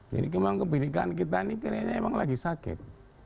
jadi memang kebenekaan kita ini kira kira memang lagi sakit